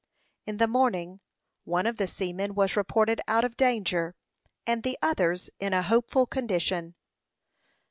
In the morning one of the seamen was reported out of danger, and the others in a hopeful condition.